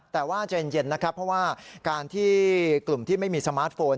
แต่ว่าใจเย็นนะครับเพราะว่าการที่กลุ่มที่ไม่มีสมาร์ทโฟน